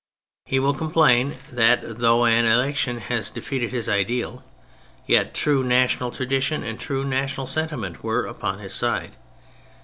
He will complain that though an election has defeated his ideal, yet true national tradition and true national sentiment were upon his side.